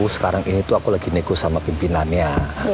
sekarang ini aku lagi nekus sama pimpinannya